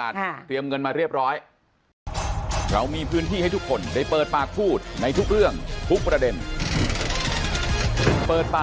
ละตอนแรกบอกไปแสนนึงหลืออีกห้ามืดหรือเป็นแสนห้า